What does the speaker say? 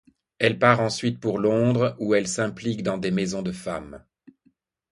Elle part ensuite pour Londres, où elle s'implique dans des maisons de femmes.